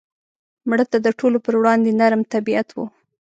مړه د ټولو پر وړاندې نرم طبیعت وه